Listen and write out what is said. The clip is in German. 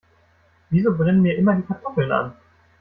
Wieso brennen mir immer die Kartoffeln an?